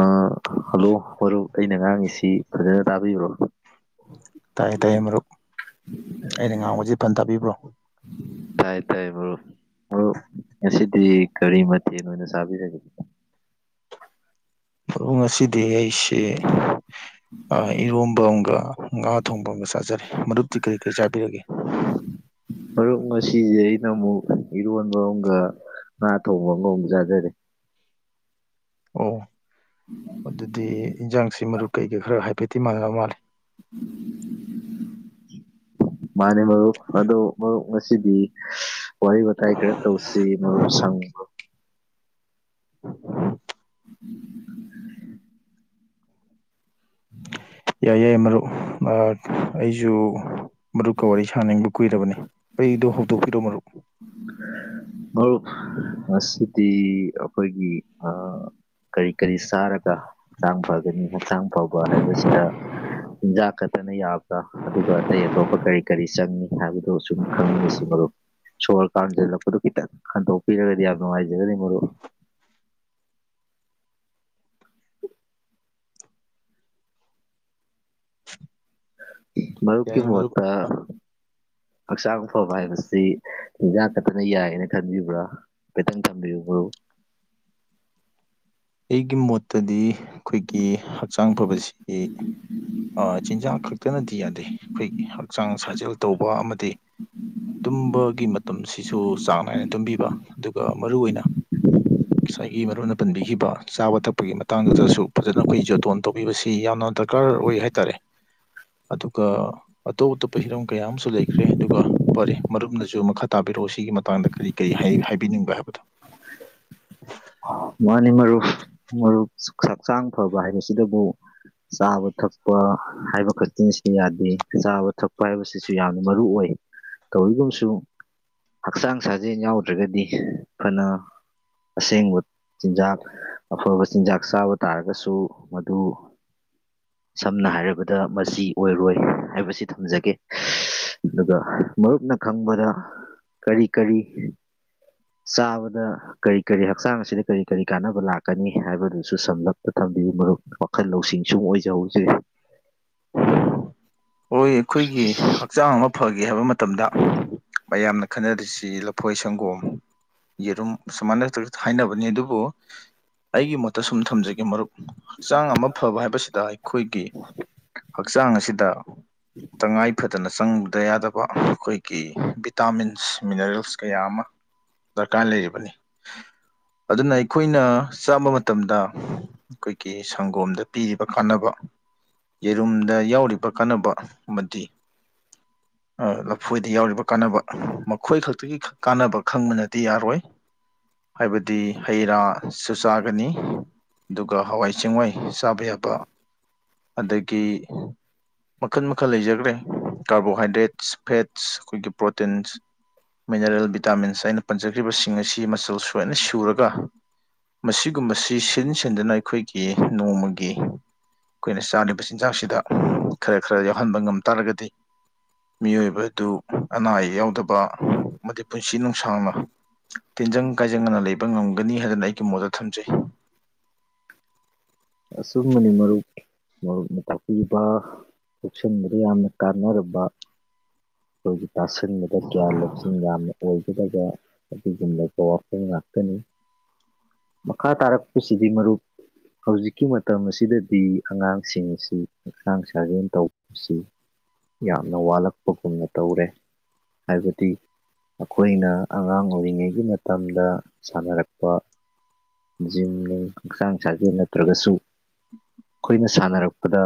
ꯑꯥ hello ꯍꯔꯨꯞ ꯑꯩꯅ ꯉꯥꯡꯉꯤꯁꯤ ꯐꯖꯅ ꯇꯥꯕꯤꯕꯔꯣ ꯇꯥꯏꯌꯦ ꯇꯥꯏꯌꯦ ꯃꯔꯨꯞ ꯑꯩꯅ ꯏꯟ [unintelligible] ꯇꯥꯕꯤꯕ꯭ꯔꯣ ꯇꯥꯏ ꯇꯥꯏ ꯃꯔꯨꯞ ꯉꯁꯤꯗꯤ ꯀꯔꯤ ꯃꯊ‌ꯦꯜ ꯑꫭꯏꯅ ꯆꯕꯤꯔꯒ‌ꯦ ꯃꯕꯨꯞ ꯉꯁꯤꯗꯤ ꯑꯩꯁ‌ꯦ ꯑꯥ ꯏꯔꯣꯝꯕ ꯑꯃꯝꯒ ꯉꯥ ꯊꯣꯡꯕ ꯑꯃꯝꯒ ꯆꯥꯖꯔꯤ ꯑꯥ ꯃꯗꯨꯛꯇꯤ ꯀꯔꯤ ꯀꯔꯤ ꯆꯥꯕꯤꯔꯒꯦ [inaudible] ꯃꯔꯨꯞ ꯉꯁꯤꯁꯦ ꯑꯩꯅ ꯑꯃꯨꯛ ꯏꯔꯣꯟꯕ ꯑꯃꯒ ꯉꯥ ꯊꯣꯡꯕ ꯑꯃꯒ ꯑꯃꯨꯛ ꯆꯥꯖꯔꯦ ꯑꯣ ꯑꯗꯨꯗꯤ ꯏꯟꯖꯥꯡꯁꯤ ꯃꯔꯨꯞ ꯀꯩꯀꯩ ꯈꯔ ꯍꯥꯏꯐꯦꯠꯇꯤ ꯃꯥꯟꯅꯕ ꯃꯥꯜꯂꯦ ꯃꯥꯅꯦ ꯃꯔꯨꯞ ꯑꯗꯣ ꯃꯔꯨꯞ ꯉꯁꯤꯗꯤ ꯋꯥꯔꯤ ꯋꯥꯇꯥꯏ ꯈꯔ ꯇꯧꯁꯤ ꯃꯔꯨꯞ ꯁꯪꯕꯔꫭ ꯎ [inaudible] [inaudible] ꯌꯥꯏꯌ‌ꯦ ꯃꯔꯨꯞ ꯑꯥ ꯑꯩꯁꯨ ꯃꯔꯨꯞꯀ ꯋꯥꯔꯤ ꯁꯥꯅꯤꯡꯕ ꯀꯨꯏꯔꯕꯅꯤ ꯑꯩꯗꯣ ꯍꯧꯗꯣꯛꯄꯤꯔꯣ ꯃꯔꯨꯞ ꯎ [inaudible] ꯃꯔꯨꯞ ꯃꯁꯤꯗꯤ ꯑꯩꯈꯣꯏꯒꯤ ꯑꯥ ꯀꯔꯤ ꯀꯔꯤ ꯆꯔꯒ ꯍꯛꯆꯥꯡ ꯐꯒꯅꯤ ꯍꯛꯆꯥꯡ ꯐꯕ ꯍꯥꯏꯕꯁꯤꯗ ꯆꯤꯟꯖꯥꯛ ꯈꯛꯇꯅ ꯌꯥꯕ꯭ꯔꯥ ꯑꯗꯨꯒ ꯑꯇꯩ ꯑꯇꯣꯞꯄ ꯀꯔꯤ ꯀꯔꯤ ꯆꯪꯏꯤ ꯍꯥꯏꯕꯗꯣ ꯁꯨꯝ ꯈꯪꯃꯤꯟꯅꯁꯤ ꯃꯔꯨꯞ ꯁꯣꯔ ꯀꯥꯟꯁꯤꯜꯂꯛꯄꯗꯨ ꯈꯤꯇꯪ ꯈꯟꯗꯣꯛꯄꯤꯔꯒꯗꯤ ꯌꯥꯝ ꯑꯗꯨꯅꯨꯡꯉꯥꯏꯖꯒꯅꯤ ꯃꯔꯨꯞ ꯃꯔꯨꯞꯀꯤ ꯌꯥꯏꯌꯦ ꯃꯔꯨꯞ ꯃꫭꯠꯇ ꯍꯛꯆꯥꯡ ꯐꯕ ꯍꯥꯏꯕꯁꯤ ꯍꯤꯟꯖꯥꯛ ꯀꯛꯇꯅ ꯌꯥꯏꯌꯦꯅ ꯈꯟꯕꯤꯕ꯭ꯔꯥ [unintelligible] [inaudible] ꯑꯩꯒꯤ ꯃꯣꯠꯇꯗꯤ ꯑꯩꯈꯣꯏꯒꯤ ꯍꯛꯆꯥꯡ ꯐꯕꯁꯤ ꯆꯤꯟꯖꯥꯛ ꯈꯛꯇꯅꯗꯤ ꯌꯥꯗꯦ ꯑꯩꯈꯣꯏꯒꯤ ꯍꯛꯆꯥꯡ ꯁꯥꯖꯦꯜ ꯇꯧꯕ ꯑꯃꯗꯤ ꯇꯨꯝꯕꯒꯤ ꯃꯇꯝꯁꯤꯁꯨ ꯆꯥꯡ ꯅꯥꯏꯅ ꯇꯨꯝꯕꯤꯕ ꯑꯗꯨꯒ ꯃꯔꯨ ꯑꯣꯏꯅ ꯉꯁꯥꯏꯒꯤ ꯃꯔꯨꯅ ꯄꯟꯕꯤꯈꯤꯕ ꯆꯥꯕ ꯊꯛꯄꯒꯤ ꯃꯇꯥꯡꯗꯨꯗꯁꯨ ꯐꯖꯅ ꯑꯩꯈꯣꯏ ꯖꯣꯇꯣꯟ ꯇꯧꯕꯤꯕꯁꯤ ꯌꯥꯝꯅ ꯗꯔꯀꯥꯔ ꯑꯣꯏ ꯍꯥꯏꯇꯥꯔꯦ ꯑꯗꯨꯒ ꯑꯇꯣꯞ ꯑꯇꯣꯞꯄ ꯍꯤꯔꯝ ꯀꯌꯥ ꯑꯃꯁꯨ ꯂꯩꯈ꯭ꯔꯦ ꯑꯗꯨꯒ ꯐꯔꯦ ꯃꯔꯨꯞꯅꯁꯨ ꯃꯈꯥ ꯇꯥꯕꯤꯔꯛꯑꯣ ꯁꯤꯒꯤ ꯃꯇꯥꯡꯗ ꯀꯔꯤ ꯀꯔꯤ ꯍꯥꯏꯕꯤꯅꯤꯡꯕ ꯍꯥꯏꯕꯗꯣ [unintelligible] ꯃꯥꯅꯤ ꯃꯔꯨꯞ ꯃꯔꯨꯞ ꯍꯛꯆꯥꯡ ꯐꯕ ꯍꯥꯏꯕꯁꯤꯗꯕꯨ ꯆꯥꯕ ꯊꯛꯄ ꯍꯥꯏꯕ ꯈꯛꯇꯪꯁꯤꯅ ꯌꯥꯗꯦ ꯆꯥꯕ ꯊꯛꯄ ꯍꯥꯏꯕꯁꯤꯁꯨ ꯌꯥꯝꯅ ꯃꯔꯨꯑꯣ ꯑꯣꯏ ꯇꯧꯏꯒꯨꯝꯁꯨꯡ ꯍꯛꯆꯥꯡ ꯁꯥꯖꯦꯜ ꯌꯥꯎꯗ꯭ꯔꯒꯗꯤ ꯐꯅ ꯑꯁꯦꯡꯕ ꯆꯤꯟꯖꯥꯛ ꯑꯐꯕ ꯆꯤꯟꯖꯥꯛ ꯆꯥꯕ ꯇꯥꯔꯒꯁꯨ ꯃꯗꯨ ꯁꯝꯅ ꯍꯥꯏꯔꯕꯗ ꯃꯆꯤ ꯑꯣꯏꯔꯣꯏ ꯍꯥꯏꯕꯁꯤ ꯊꯝꯖꯒꯦ ꯑꯗꯨꯒ ꯃꯔꯨꯞꯅ ꯈꯪꯕꯗ ꯀꯔꯤ ꯀꯔꯤ ꯆꯥꯕꯗ ꯀꯔꯤ ꯀꯔꯤ ꯍꯛꯆꯥꯡ ꯑꯁꯤꯗ ꯀꯔꯤ ꯀꯔꯤ ꯀꯥꯟꯅꯕ ꯂꯥꯛꯀꯅꯤ ꯍꯥꯏꯕꯗꯨꯁꯨ ꯁꯝꯂꯞꯄ ꯊꯝꯕꯤꯌꯨ ꯃꯔꯨꯞ ꯋꯥꯈꯜ ꯂꯧꯁꯤꯡ ꯁꯨꯝ ꯑꯣꯏꯖꯍꯧꯖꯦ ꯍꯣꯏ ꯑꯩꯈꯣꯏꯒꯤ ꯍꯛꯆꯥꯡ ꯑꯃ ꯐꯒꯦ ꯍꯥꯏꯕ ꯃꯇꯝꯗ ꯃꯌꯥꯝꯅ ꯈꯟꯅꯔꯤꯁꯤ ꯂꯐꯣꯏ ꯁꯪꯒꯣꯝ ꯌꯦꯔꯨꯝ ꯁꯨꯃꯥꯏꯅ ꯍꯥꯏꯅꯕꯅꯤ ꯑꯗꯨꯕꯨ ꯑꯩꯒꯤ ꯃꯣꯠꯇ ꯁꯨꯝ ꯊꯝꯖꯒꯦ ꯃꯔꯨꯞ ꯍꯛꯆꯥꯡ ꯑꯃ ꯐꯕ ꯍꯥꯏꯕꯁꯤꯗ ꯑꯩꯈꯣꯏꯒꯤ ꯍꯛꯆꯥꯡ ꯑꯁꯤꯗ ꯎꯝ [inaudible] ꯇꯉꯥꯏ ꯐꯗꯅ ꯆꯪꯗ ꯌꯥꯗꯕ ꯑꯩꯈꯣꯏꯒꯤ ꯚꯤꯇꯥꯃꯤꯟꯁ ꯃꯤꯅꯔꯦꯜꯁ ꯀꯌꯥ ꯑꯃ ꯗꯔꯀꯥꯔ ꯂꯩꯔꯤꯕꯅꯤ ꯑꯗꯨꯅ ꯑꯩꯈꯣꯏꯅ ꯆꯥꯕ ꯃꯇꯝꯗ ꯑꯩꯈꯣꯏꯒꯤ ꯁꯪꯒꯣꯝꯗ ꯄꯤꯔꯤꯕ ꯀꯥꯟꯅꯕ ꯌꯦꯔꯨꯝꯗ ꯌꯥꯎꯔꯤꯕ ꯀꯥꯟꯅꯕ ꯑꯃꯗꯤ [unintelligible] ꯂꯐꯣꯏꯗ ꯌꯥꯎꯔꯤꯕ ꯀꯥꯟꯅꯕ ꯃꯈꯣꯏ ꯈꯛꯇꯒꯤ ꯀꯥꯟꯅꯕ ꯈꯪꯕꯅꯗꯤ ꯌꯥꯔꯣꯏ ꯍꯥꯏꯕꯗꯤ ꯍꯩ ꯔꯥꯁꯨꯨ ꯆꯥꯒꯅꯤ ꯑꯗꯨꯒ ꯍꯋꯥꯏ ꯆꯦꯡꯋꯥꯏ ꯆꯥꯕ ꯌꯥꯕ ꯑꯗꯒꯤ ꯃꯈꯜ ꯃꯈꯜ ꯂꯩꯖꯈ꯭ꯔꯦ ꯀꯥꯔꯕꯣꯍꯥꯏꯗ꯭ꯔꯦꯠꯁ ꯐꯦꯠꯁ ꯑꯩꯈꯣꯏꯒꯤ ꯄ꯭ꯔꯣꯇꯤꯟꯁ ꯃꯤꯅꯔꯦꯜ ꯚꯤꯇꯥꯃꯤꯟꯁ ꯑꯩꯅ ꯄꯟꯖꯈ꯭ꯔꯤꯕꯁꯤꯡ ꯑꯁꯤ ꯃꯆꯜ ꯁꯣꯏꯅ ꯁꯨꯔꯒ ꯃꯁꯤꯒꯨꯝꯕꯁꯤ ꯁꯤꯟ ꯁꯤꯟꯗꯨꯅ ꯑꯩꯈꯣꯏꯒꯤ ꯅꯣꯡꯃꯒꯤ ꯑꯩꯈꯣꯏꯅ ꯆꯥꯔꯤꯕ ꯆꯤꯟꯖꯥꯛꯁꯤꯗ ꯈꯔ ꯈꯔ ꯌꯥꯎꯍꯟꯕ ꯉꯝ ꯇꯥꯔꯒꯗꯤ ꯃꯤꯑꯣꯏꯕ ꯑꯗꯨ ꯑꯅꯥ ꯑꯌꯦꯛ ꯌꯥꯎꯗꯕ ꯑꯃꯗꯤ ꯄꯨꯟꯁꯤ ꯅꯨꯡꯁꯥꯡꯅ ꯇꯤꯟꯖꯪ ꯀꯥꯏꯖꯪꯗꯅ ꯂꯩꯕ ꯉꯝꯒꯅꯤ ꯍꯥꯏꯗꯅ ꯑꯩꯒꯤ ꯃꯣꯠꯇ ꯊꯝꯖꯩ ꯑꯆꯨꯝꯕꯅꯤ ꯃꯔꯨꯞ ꯃꯔꯨꯞꯅ ꯊꯥꯛꯄꯤꯕ ꯄꯨꯟꯁꯤꯟꯕꯗ ꯌꯥꯝꯅ ꯀꯥꯟꯅꯔꯕ ꯑꯩꯈꯣꯏꯒꯤ ꯇꯥꯥꯁꯟꯕꯗ ꯒ꯭ꯌꯥꯟ ꯂꯧꯁꯤꯡ ꯌꯥꯝꯅ ꯑꯣꯏꯒꯗꯕ ꯑꯗꯨꯨꯝꯒꯨꯝꯂꯕ ꯋꯥꯐꯝ ꯉꯥꯛꯇꯅꯤ ꯃꯈꯥ ꯇꯥꯔꯛꯄꯁꯤꯗꯤ ꯃꯔꯨꯞ ꯍꯧꯖꯤꯛ ꯍꯧꯖꯤꯛꯒꯤ ꯃꯇꯝ ꯑꯁꯤꯗꯗꯤ ꯑꯉꯥꯡꯁꯤꯡ ꯑꯁꯤ ꯍꯛꯆꯥꯡ ꯁꯥꯖꯦꯟ ꯇꯧꯕꯁꯤ ꯌꯥꯝꯅ ꯋꯥꯠꯂꯛꯄꯒꯨꯝꯅ ꯇꯧꯔꯦ ꯍꯥꯏꯕꯗꯤ ꯑꯩꯈꯣꯏꯅ ꯑꯉꯥꯡ ꯑꯣꯏꯔꯤꯉꯩꯒꯤ ꯃꯇꯝꯗ ꯁꯥꯟꯅꯔꯛꯄ ꯖꯤꯝ ꯅꯣꯡ ꯍꯛꯆꯥꯡ ꯁꯥꯖꯦꯜ ꯅꯠꯇ꯭ꯔꯒꯁꯨ ꯑꯩꯈꯣꯏꯅ ꯁꯥꯟꯅꯔꯛꯄꯗ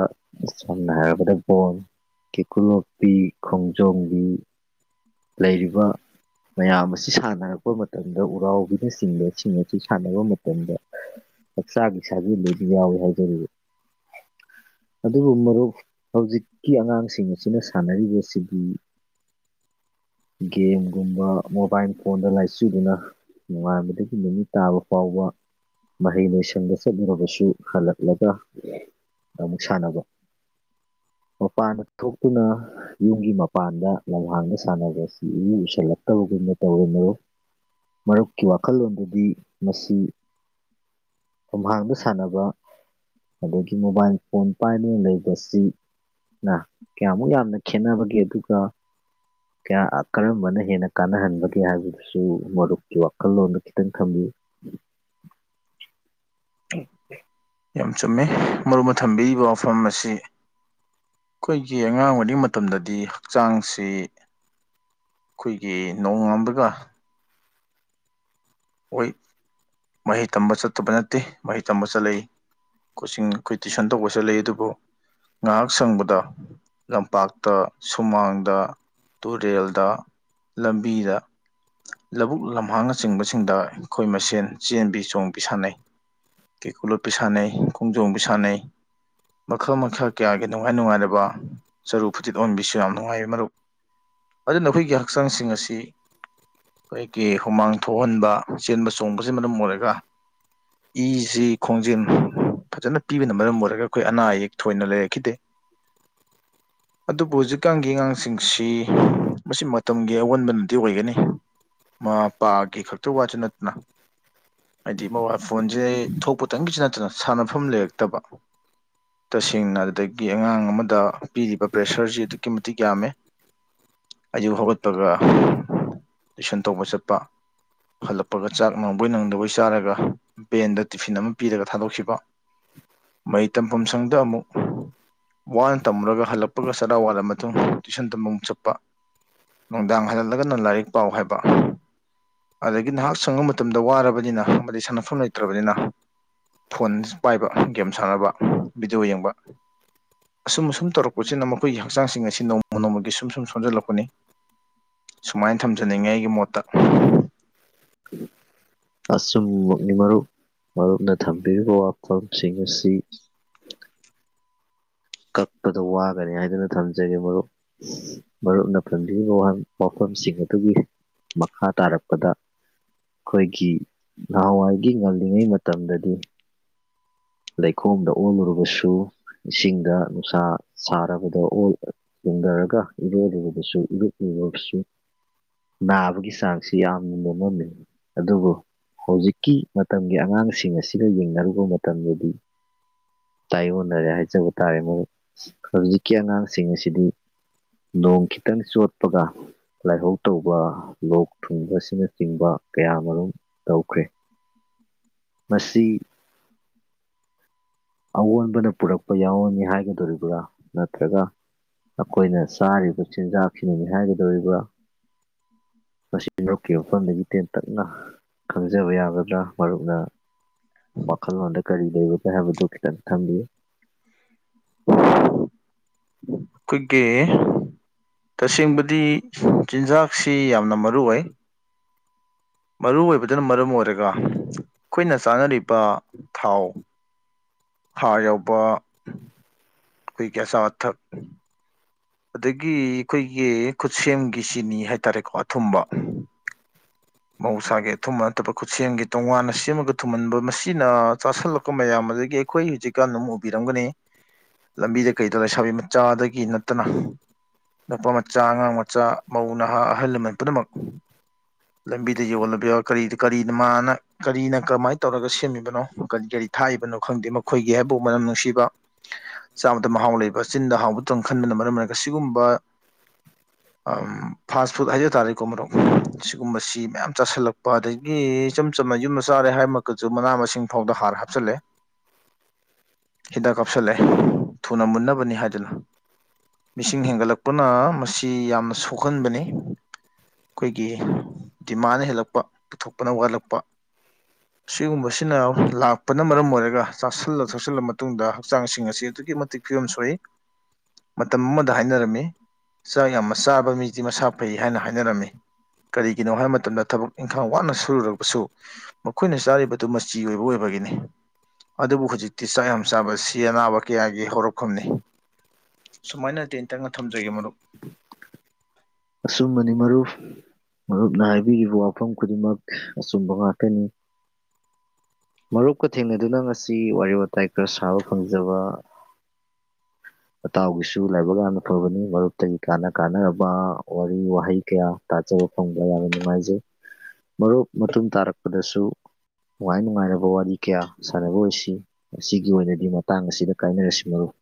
ꯁꯝꯅ ꯍꯥꯏꯔꯕꯗ ꯕꯣꯜ ꯀꯦꯀꯨ ꯂꯣꯞꯄꯤ ꯈꯣꯡꯖꯣꯝꯕꯤ ꯂꯩꯔꯤꯕ ꯃꯌꯥꯝ ꯑꯁꯤ ꯁꯥꯟꯅꯔꯛꯄ ꯃꯇꯝꯗ ꯎꯔꯥꯎꯕꯤꯅꯆꯤꯡꯕꯁꯤꯡ ꯑꯁꯤ ꯁꯥꯟꯅꯕ ꯃꯇꯝꯗ ꯍꯛꯆꯥꯛ ꯁꯥꯖꯦꯟꯗꯨꯁꯨ ꯌꯥꯎꯋꯤ ꯍꯥꯏꯖꯔꯤꯕ ꯑꯗꯨꯕꯨ ꯃꯔꯨꯞ ꯍꯧꯖꯤꯛꯀꯤ ꯑꯉꯥꯡꯁꯤꯡ ꯑꯁꯤꯅ ꯁꯥꯟꯅꯔꯤꯕꯁꯤꯗꯤ ꯒꯦꯝꯒꯨꯝꯕ ꯃꯣꯕꯥꯢꯜ ꯐꯣꯟꯗ ꯂꯥꯏꯆꯨꯗꯨꯅ ꯅꯣꯉꯥꯟꯕꯗꯒꯤ ꯅꯨꯃꯤꯠ ꯇꯥꯕ ꯐꯥꯎꯕ ꯃꯍꯩ ꯂꯣꯏꯁꯪ ꯆꯠꯂꯨꯔꯕꯁꯨ ꯍꯜꯂꯛꯂꯒ ꯑꯃꯨꯛ ꯁꯥꯟꯅꯕ ꯃꯄꯥꯟꯗ ꯊꯣꯛꯇꯨꯅ ꯌꯨꯝꯒꯤ ꯃꯄꯥꯟꯗ ꯂꯝꯍꯥꯡꯗ ꯁꯥꯟꯅꯕꯁꯤ ꯢꯎꯨ ꯎꯨꯁꯜꯂꯛꯇꯕꯒꯨꯝꯅ ꯇꯧꯔꯦ ꯃꯔꯨꯞ ꯃꯔꯨꯞꯀꯤ ꯋꯥꯈꯜꯂꯣꯟꯗꯗꯤ ꯃꯁꯤ ꯈꯨꯝꯍꯥꯡꯗ ꯁꯥꯟꯅꯕ ꯑꯗꯒꯤ ꯃꯣꯕꯥꯏꯜ ꯐꯣꯟ ꯄꯥꯏꯗꯨꯅ ꯂꯩꯕꯁꯤ꯫ ꯅ ꯀꯌꯥꯃꯨꯛ ꯌꯥꯝꯅ ꯈꯦꯠꯅꯕꯒꯦ ꯑꯗꯨꯒ ꯀꯌꯥ ꯀꯔꯝꯕꯅ ꯍꯦꯟꯅ ꯀꯥꯟꯅꯍꯟꯕꯒꯦ ꯍꯥꯏꯕꯗꯨꯁꯨ ꯃꯔꯨꯞꯀꯤ ꯋꯥꯈꯜꯂꯣꯟꯗ ꯈꯤꯇꯪ ꯊꯝꯕꯤꯌꯨ꯫ [unintelligible] ꯌꯥꯝ ꯆꯨꯝꯃꯦ ꯃꯔꯨ ꯑꯣꯏꯅ ꯊꯝꯕꯤꯔꯤꯕ ꯋꯥꯐꯝ ꯑꯁꯤ ꯑꯩꯈꯣꯏꯒꯤ ꯑꯉꯥꯡ ꯑꯣꯏꯔꯤꯉꯩ ꯃꯇꯝꯗꯗꯤ ꯍꯛꯆꯥꯡꯁꯤ꯫ ꯑꯩꯈꯣꯏꯒꯤ ꯅꯣꯡꯉꯥꯟꯕꯒ ꯍꯣꯏ ꯃꯍꯩ ꯇꯝꯕ ꯆꯠꯇꯕ ꯅꯠꯇꯦ ꯃꯍꯩ ꯇꯝꯕ ꯆꯠꯂꯛꯏ꯫ ꯀꯣꯆꯤꯡ ꯑꯩꯈꯣꯏ ꯇꯨꯏꯁꯟ ꯇꯧꯕꯁꯨꯦ ꯂꯩ ꯑꯗꯨꯕꯨ ꯉꯥꯏꯍꯥꯛ ꯁꯪꯕꯗ꯫ ꯂꯝꯄꯥꯛꯇ ꯁꯨꯃꯥꯡꯗ ꯇꯨꯔꯦꯜꯗ ꯂꯝꯕꯤꯗ꯫ ꯂꯥꯕꯨꯛ ꯂꯝꯍꯥꯡꯅꯆꯤꯡꯕꯁꯤꯡꯗ ꯑꯩꯈꯣꯏ ꯃꯁꯦꯟ ꯆꯦꯟꯕꯤ ꯆꯣꯡꯕꯤ ꯁꯥꯟꯅꯩ꯫ ꯀꯦꯀꯨ ꯂꯣꯠꯄꯤ ꯁꯥꯟꯅꯩ ꯈꯣꯡꯖꯣꯝꯕꯤ ꯁꯥꯟꯅꯩ꯫ ꯃꯈꯜ ꯃꯈꯥ ꯀꯌꯥꯒꯤ ꯅꯨꯡꯉꯥꯏ ꯅꯨꯡꯉꯥꯏꯔꯕ ꯆꯔꯨ ꯐꯨꯇꯤꯠ ꯑꯣꯟꯕꯤꯁꯨ ꯌꯥꯝ ꯅꯨꯡꯉꯥꯏ ꯃꯔꯨꯞ꯫ ꯑꯗꯨꯅ ꯑꯩꯈꯣꯏꯒꯤ ꯍꯛꯆꯥꯡꯁꯤꯡ ꯑꯁꯤ ꯑꯩꯈꯣꯏꯒꯤ ꯍꯨꯃꯥꯡ ꯊꯣꯛꯍꯟꯕ ꯆꯦꯟꯕ ꯆꯣꯡꯕꯁꯤꯅ ꯃꯔꯝ ꯑꯣꯏꯔꯒ ꯏꯁꯤ ꯈꯣꯡꯖꯦꯟ꯫ ꯐꯖꯅ ꯄꯤꯕꯅ ꯃꯔꯝ ꯑꯣꯏꯔꯒ ꯑꯩꯈꯣꯏ ꯑꯅꯥ ꯑꯌꯦꯛ ꯊꯣꯏꯅ ꯂꯩꯔꯛꯈꯤꯗꯦ꯫ [inaudible] ꯑꯗꯨꯕꯨ ꯍꯧꯖꯤꯛꯀꯥꯟꯒꯤ ꯑꯉꯥꯡꯁꯤꯡꯁꯤ ꯃꯁꯤ ꯃꯇꯝꯒꯤ ꯑꯑꯣꯟꯕꯅꯗꯤ ꯑꯣꯏꯒꯅꯤ꯫ ꯃꯄꯥꯒꯤ ꯈꯛꯇ ꯋꯥꯁꯨ ꯅꯠꯇꯅ꯫ ꯍꯥꯏꯗꯤ ꯃꯣꯕꯥꯏꯜ ꯐꯣꯟꯁꯦ ꯊꯣꯛꯄꯇꯪꯒꯤꯁꯨ ꯅꯠꯇꯅ ꯁꯥꯟꯅꯐꯝ ꯂꯩꯔꯛꯇꯕ ꯇꯁꯦꯡꯅ ꯑꯗꯨꯗꯒꯤ ꯑꯉꯥꯡ ꯑꯃꯗ ꯄꯤꯔꯤꯕ ꯄ꯭ꯔꯦꯁꯔꯁꯤ ꯑꯗꯨꯛꯀꯤ ꯃꯇꯤꯛ ꯌꯥꯝꯃꯦ ꯑꯩꯌꯛ ꯍꯧꯒꯠꯄꯒ ꯇꯨꯏꯁꯟ ꯇꯧꯕ ꯆꯠꯄ ꯍꯜꯂꯛꯄꯒ ꯆꯥꯛ ꯅꯪꯕꯣꯏ ꯅꯪꯗꯕꯣꯏ ꯆꯥꯔꯒ ꯕꯦꯟꯗ ꯇꯤꯐꯤꯟ ꯑꯃ ꯄꯤꯔꯒ ꯊꯥꯗꯣꯛꯈꯤꯕ꯫ ꯃꯍꯩ ꯇꯝꯐꯝ ꯁꯪꯗ ꯑꯃꯨꯛ ꯋꯥꯅ ꯇꯝꯃꯨꯔꯒ ꯍꯜꯂꯛꯄꯒ ꯆꯔꯥ ꯋꯥꯠꯂ ꯃꯇꯨꯡ ꯇꯨꯏꯁꯟ ꯇ ꯑꯃꯨꯛ ꯆꯠꯄ ꯅꯨꯡꯗꯥꯡ ꯍꯥꯏꯂꯠꯂꯒꯅ ꯂꯥꯏꯔꯤꯛ ꯄꯥꯎ ꯍꯥꯏꯕ꯫ ꯑꯗꯒꯤ ꯅꯍꯥꯛ ꯁꯪꯕ ꯃꯇꯝꯗ ꯋꯥꯔꯕꯅꯤꯅ ꯑꯃꯗꯤ ꯁꯥꯟꯅꯐꯝ ꯂꯩꯇ꯭ꯔꯕꯅꯤꯅ꯫ ꯐꯣꯟ ꯄꯥꯏꯕ ꯒꯦꯝ ꯁꯥꯟꯅꯕ ꯚꯤꯗꯤꯑꯣ ꯌꯦꯡꯕ꯫ ꯑꯁꯨꯝ ꯑꯁꯨꯝ ꯇꯧꯔꯛꯄꯁꯤꯅ ꯃꯈꯣꯏꯒꯤ ꯍꯛꯆꯥꯡꯁꯤꯡ ꯑꯁꯤ ꯅꯣꯡꯃ ꯅꯣꯡꯃꯒꯤ ꯁꯨꯝ ꯁꯨꯝ ꯁꯣꯟꯖꯜꯂꯛꯄꯅꯤ꯫ ꯁꯨꯃꯥꯏꯅ ꯊꯝꯖꯅꯤꯡꯉꯤ ꯑꯩꯒꯤ ꯃꯣꯠꯇ꯫ ꯑꯆꯨꯝꯃꯛ ꯃꯔꯨꯞ ꯃꯔꯨꯞꯅ ꯊꯝꯕꯤꯔꯤꯕ ꯋꯥꯐꯝꯁꯤꯡ ꯑꯁꯤ꯫ ꯑꯗꯣ ꯋꯥꯒꯅꯤ ꯍꯥꯏꯗꯨꯅ ꯊꯝꯖꯒꯦ ꯃꯔꯨꯞ ꯃꯔꯨꯞꯅ ꯄꯟꯕꯔꯤꯕ ꯋꯥꯐꯝꯁꯤꯡ ꯑꯗꯨꯒꯤ ꯃꯈꯥ ꯇꯥꯔꯛꯄꯗ ꯑꯩꯈꯣꯏꯒꯤ ꯅꯍꯥꯟꯋꯥꯏꯒꯤ ꯉꯜꯂꯤꯉꯩ ꯃꯇꯝꯗꯗꯤ ꯂꯩꯈꯣꯝꯗ ꯑꯣꯜꯂꯨꯔꯕꯁꯨ ꯏꯁꯤꯡꯗ ꯁ ꯁꯔꯥ ꯈꯨꯗ ꯑꯣ ꯆꯦꯡꯊꯔꯒ ꯏꯔꯣꯏ ꯂꯨꯕꯁꯨ ꯏꯔꯛꯂꯨꯔꯒꯁꯨ꯫ ꯅꯥꯕꯒꯤ ꯆꯥꯡꯁꯤ ꯌꯥꯝꯅ ꯅꯦꯝꯃꯝꯃꯤ ꯑꯗꯨꯕꯨ ꯍꯧꯖꯤꯛꯀꯤ ꯃꯇꯝꯒꯤ ꯑꯉꯥꯡꯁꯤꯡ ꯑꯁꯤꯒ ꯌꯦꯡꯅꯔꯨꯕ ꯃꯇꯝꯗꯗꯤ꯫ ꯇꯥꯏꯌꯣꯟꯅꯔꯦ ꯍꯥꯏꯖꯕ ꯇꯥꯔꯦ ꯃꯔꯨꯞ ꯍꯧꯖꯤꯛꯀꯤ ꯑꯉꯥꯡꯁꯤꯡ ꯑꯁꯤꯗꯤ ꯅꯣꯡ ꯈꯤꯇꯪ ꯆꯣꯠꯄꯒ꯫ ꯂꯥꯏꯍꯧ ꯇꯧꯕ ꯂꯣꯛ ꯊꯨꯡ ꯑꯁꯤꯅꯆꯤꯡꯕ ꯀꯌꯥ ꯃꯔꯨꯝ ꯇꯧꯈ꯭ꯔꯦ ꯃꯁꯤ ꯑꯑꯣꯟꯕꯅ ꯄꯨꯔꯛꯄ ꯌꯥꯎꯔꯅꯤ ꯍꯥꯏꯒꯗꯣꯔꯤꯕ꯭ꯔꯥ ꯅꯠꯇ꯭ꯔꯒ ꯑꯩꯈꯣꯏꯅ ꯆꯥꯔꯤꯕ ꯆꯤꯟꯖꯥꯛꯁꯤꯅꯅꯤ ꯍꯥꯏꯒꯗꯧꯔꯤꯕ ꯃꯁꯤ ꯃꯔꯨꯞꯀꯤ ꯃꯐꯝꯗꯒꯤ ꯇꯦꯟꯇꯛꯅ ꯈꯪꯖꯕ ꯌꯥꯒꯗ꯭ꯔꯥ ꯃꯔꯨꯞꯅ ꯋꯥꯈꯜꯂꯣꯟꯗ ꯀꯔꯤ ꯂꯩꯕꯒꯦ ꯍꯥꯏꯕꯗꯨ ꯈꯤꯇꯪ ꯊꯝꯕꯤꯌꯨ ꯑꯩꯈꯣꯏꯒꯤ ꯇꯁꯦꯡꯕꯗꯤ ꯆꯤꯟꯖꯥꯛꯁꯤ ꯌꯥꯝꯅ ꯃꯔꯨ ꯑꯣꯏ ꯃꯔꯨ ꯑꯣꯢꯕꯗꯨꯅ ꯃꯔꯝ ꯑꯣꯏꯔꯒ ꯑꯩꯈꯣꯏꯅ ꯆꯥꯅꯔꯤꯕ ꯊꯥꯎ ꯍꯥꯔ ꯌꯥꯎꯕ ꯑꯩꯈꯣꯢꯒꯤ ꯑꯆꯥ ꯑꯊꯥꯛ ꯑꯗꯒꯤ ꯑꯩꯈꯣꯏꯒꯤ ꯈꯨꯠꯁꯦꯝꯒꯤ ꯆꯤꯅꯤ ꯍꯥꯏꯇꯥꯔꯦꯀꯣ ꯑꯊꯨꯝꯕ ꯃꯍꯧꯁꯥꯒꯤ ꯑꯊꯨꯝꯕ ꯅꯠꯇꯕ ꯈꯨꯠꯁꯦꯝꯒꯤ ꯇꯣꯉꯥꯟꯅ ꯁꯦꯝꯃꯒ ꯊꯨꯝꯍꯟꯕ ꯃꯁꯤꯅ ꯆꯥꯥꯁꯜꯂꯛꯄ ꯃꯌꯥꯝ ꯑꯗꯒꯤ ꯑꯩꯈꯣꯏ ꯍꯧꯖꯤꯛꯀꯥꯟ ꯑꯗꯨꯝ ꯎꯕꯤꯔꯝꯒꯅꯤ ꯂꯝꯕꯤꯗ ꯀꯩꯗ ꯂꯩꯁꯥꯕꯤ ꯃꯆꯥꯗꯒꯤ ꯅꯠꯇꯅ ꯅꯨꯄꯥ ꯃꯆꯥ ꯑꯉꯥꯡ ꯃꯆꯥ ꯃꯧ ꯅꯍꯥ ꯑꯍꯜ ꯂꯃꯟ ꯄꯨꯝꯅꯃꯛ ꯂꯝꯕꯤꯗ ꯌꯣꯜꯂꯕ ꯌꯥ ꯀꯔꯤ ꯀꯔꯤꯅꯣ ꯃꯥꯅ ꯀꯔꯤꯅ ꯀꯔꯝꯃꯥꯏꯅ ꯇꯧꯔꯒ ꯁꯦꯝꯃꯤꯕꯅꯣ ꯀꯔꯤ ꯀꯔꯤ ꯊꯥꯛꯏꯕꯅꯣ ꯈꯪꯗꯦ ꯃꯈꯣꯏꯒꯤ ꯍꯥꯏꯕꯨ ꯃꯅꯝ ꯅꯨꯡꯁꯤꯕ [inaudible] ꯆꯥꯕꯗ ꯃꯍꯥꯎ ꯂꯩꯕ ꯆꯤꯟꯗ ꯍꯥꯎꯕ ꯇꯪ ꯈꯟꯕꯅ ꯃꯔꯝ ꯑꯣꯏꯔꯒ ꯁꯤꯒꯨꯝꯕ ꯐꯥꯁ ꯐꯨꯗ ꯍꯥꯏꯖ ꯇꯥꯔꯦꯀꯣ ꯃꯔꯨꯞ ꯒꯨꯝꯕꯁꯤ ꯃꯌꯥꯝ ꯆꯥꯁꯤꯜꯂꯛꯄ ꯑꯗꯒꯤ ꯏꯆꯝ ꯆꯝꯅ ꯌꯨꯝꯗ ꯆꯥꯔꯦ ꯍꯥꯏꯃꯛꯇꯁꯨ ꯃꯅꯥ ꯃꯁꯤꯡ ꯐꯥꯎꯗ ꯍꯥꯔ ꯍꯥꯞꯆꯤꯜꯂꯦ [inaudible] ꯍꯤꯗꯥꯛ ꯀꯥꯞꯁꯤꯜꯂꯦ ꯊꯨꯅ ꯃꯨꯟꯅꯕꯅꯤ ꯍꯥꯏꯗꯅ ꯃꯤꯁꯤꯡ ꯍꯦꯟꯒꯠꯂꯛꯄꯅ ꯃꯁꯤ ꯌꯥꯝꯅ ꯁꯣꯛꯍꯟꯕꯅꯤ ꯑꯩꯈꯣꯏꯒꯤ ꯗꯤꯃꯥꯟꯅ ꯍꯦꯜꯂꯛꯄ ꯄꯨꯊꯣꯛꯄꯅ ꯋꯥꯠꯂꯛꯄ [inaudible] ꯁꯤꯒꯨꯝꯕꯁꯤꯅ ꯂꯥꯛꯄꯅ ꯃꯔꯝ ꯑꯣꯏꯔꯒ ꯆꯥꯁꯤꯜꯂ ꯊꯛꯁꯤꯜꯂ ꯃꯇꯨꯡꯗ ꯍꯛꯆꯥꯡꯁꯤꯡ ꯑꯁꯤ ꯑꯗꯨꯛꯀꯤ ꯃꯇꯤꯛ ꯐꯤꯕꯝ ꯁꯣꯛꯏ ꯃꯇꯝ ꯑꯃꯗ ꯍꯥꯏꯅꯔꯝꯃꯤ ꯆꯥꯛ ꯌꯥꯝꯅ ꯆꯥꯕ ꯃꯤꯗꯤ ꯃꯁꯥ ꯐꯩ ꯍꯥꯏꯅ ꯍꯥꯏꯅꯔꯝꯃꯤ ꯀꯔꯤꯒꯤꯅꯣ ꯍꯥꯏꯕ ꯃꯇꯝꯗ ꯊꯕꯛ ꯏꯪꯈꯥꯡ ꯋꯥꯅ ꯁꯨꯔꯨꯔꯕꯁꯨ ꯃꯈꯣꯏꯅ ꯆꯥꯔꯤꯕꯗꯨ ꯃꯆꯤ ꯑꯣꯏꯕ ꯑꯣꯏꯕꯒꯤꯅꯤ ꯑꯗꯨꯕꯨ ꯍꯧꯖꯤꯛꯇꯤ ꯆꯥꯛ ꯌꯥꯝ ꯆꯥꯕꯁꯤ ꯑꯅꯥꯕ ꯀꯌꯥꯒꯤ ꯍꯧꯔꯛꯐꯝꯅꯤ ꯁꯨꯃꯥꯏꯅ ꯇꯦꯟꯇꯪꯅ ꯊꯝꯖꯒꯦ ꯃꯔꯨꯞ ꯑꯆꯨꯝꯕꯅꯤ ꯃꯔꯨꯞ ꯃꯔꯨꯞꯅ ꯍꯥꯏꯕꯤꯔꯤꯕ ꯋꯥꯐꯝ ꯈꯨꯗꯤꯡꯃꯛ ꯑꯆꯨꯝꯕ ꯉꯥꯛꯇꯅꯤ ꯃꯔꯨꯞꯀ ꯊꯦꯡꯅꯗꯨꯅ ꯉꯁꯤ ꯋꯥꯔꯤ ꯋꯥꯇꯥꯏ ꯈꯔ ꯁꯥꯕ ꯐꯪꯖꯕ ꯅꯇꯥꯎꯒꯤꯁꯨ ꯂꯥꯏꯕꯛ ꯌꯥꯝꯅ ꯐꯕꯅꯤ ꯃꯔꯨꯞꯇꯒꯤ ꯀꯥꯟꯅ ꯀꯥꯟꯅꯔꯕ ꯋꯥꯔꯤ ꯋꯥꯍꯩ ꯀꯌꯥ ꯇꯥꯖꯕ ꯐꯪꯕ ꯌꯥꯝꯅ ꯅꯨꯡꯉꯥꯏꯖꯩ ꯃꯔꯨꯞ ꯃꯇꯨꯡ ꯇꯥꯔꯛꯄꯗꯁꯨ ꯅꯨꯡꯉꯥꯏ ꯅꯨꯡꯉꯥꯏꯔꯕ ꯋꯥꯔꯤ ꯀꯌꯥ ꯁꯥꯟꯅꯕ ꯑꯣꯏꯁꯤ ꯉꯁꯤꯒꯤ ꯑꯣꯏꯅꯗꯤ ꯃꯇꯥꯡ ꯑꯁꯤꯗ ꯀꯥꯏꯅꯔꯁꯤ ꯃꯔꯨꯞ